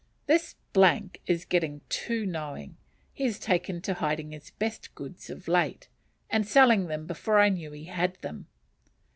This is getting too knowing; he has taken to hiding his best goods of late, and selling them before I knew he had them.